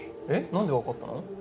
何でわかったの？